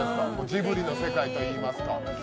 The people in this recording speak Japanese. ジブリの世界というか。